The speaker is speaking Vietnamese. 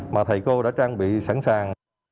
mà thầy cô đã trang bị sẵn sàng